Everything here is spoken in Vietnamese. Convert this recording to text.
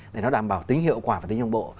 để nó đảm bảo tính hiệu quả và tính đồng bộ